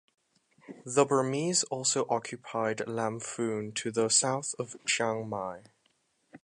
The Burmese also occupied Lamphun to the south of Chiang Mai.